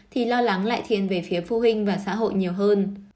thì lo lắng lại thiên về phía phụ huynh và xã hội nhiều hơn